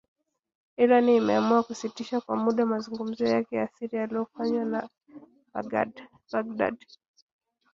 Iran imeamua kusitisha kwa muda mazungumzo yake ya siri yaliyofanywa na Baghdad.